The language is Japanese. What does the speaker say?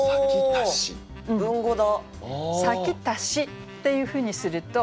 文語だ。